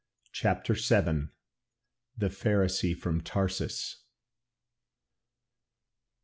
CHAPTER VII. THE PHARISEE FROM TARSUS.